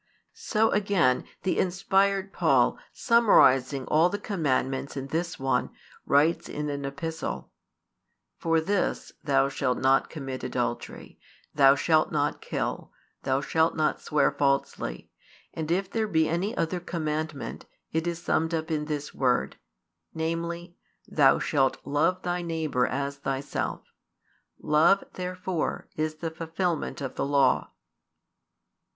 So again, the inspired Paul, summarizing all the commandments in this one, writes in an epistle: For this, Thou, shalt not commit adultery, Thou shalt not kill, Thou shalt not swear falsely, and if there be any other commandment, it is summed up in this word, namely, Thou shalt love thy neighbour as thyself. Love, therefore, is the fulfilment of the Law.